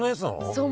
そう。